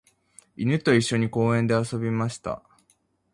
犬と一緒に公園で遊びました。